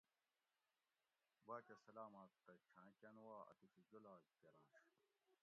باچہ سلامت تہ چھاں کۤن وا اتوشی جولاگ کرۤنش